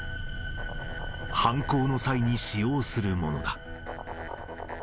犯行の際に使用するものだ。